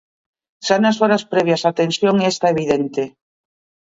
Xa nas horas previas a tensión esta evidente.